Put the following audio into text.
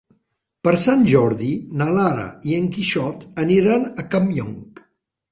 Per Sant Jordi na Lara i en Quixot aniran a Campllong.